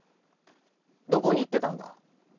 どこに行ってたんだ？